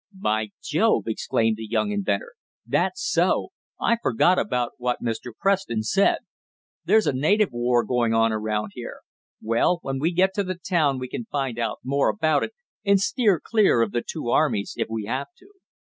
"By Jove!" exclaimed the young inventor. "That's so. I forgot about what Mr. Preston said. There's a native war going on around here. Well, when we get to the town we can find out more about it, and steer clear of the two armies, if we have to."